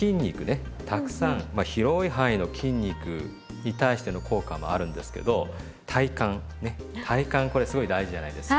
たくさんまあ広い範囲の筋肉に対しての効果もあるんですけど体幹ね体幹これすごい大事じゃないですか。